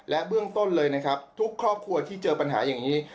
และเบื้องต้นเลยนะครับทุกครอบครัวที่เจอปัญหาอย่างนี้